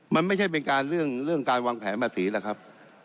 มันไม่ใช่เป็นการเรื่องการวางแผนภาษีหรอกครับ